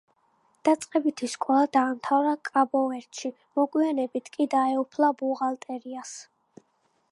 დაწყებითი სკოლა დაამთავრა კაბო-ვერდეში, მოგვიანებით კი დაეუფლა ბუღალტერიას.